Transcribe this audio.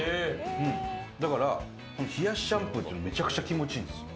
だから冷やしシャンプーがめちゃくちゃ気持ちいい。